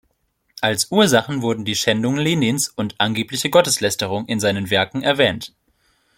Als Ursachen wurden die Schändung Lenins und angebliche Gotteslästerung in seinen Werken erwähnt.